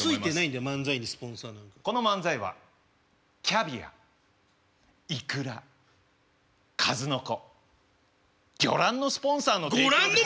この漫才はキャビアイクラ数の子魚卵のスポンサーの提供で。